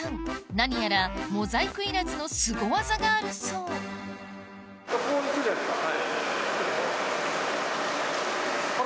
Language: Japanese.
何やらモザイクいらずのスゴ技があるそうこう行くじゃないですか。